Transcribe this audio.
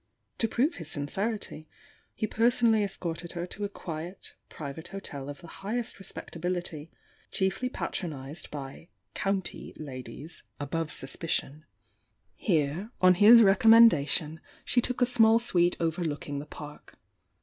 To prove his sincerity he personally escorted her to a quiet private hotel of the hi^est respectability, chiefly patronised by "county" ladies "above suspi ail 880 THE YOUNG DIANA cion." Here, on his recommendation, she took a small suite overlooking the Park.